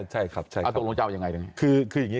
ถูกรองเจ้ายังไง